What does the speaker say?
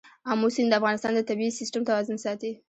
آمو سیند د افغانستان د طبعي سیسټم توازن ساتي.